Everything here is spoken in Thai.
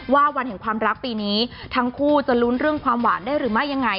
วันแห่งความรักปีนี้ทั้งคู่จะลุ้นเรื่องความหวานได้หรือไม่ยังไง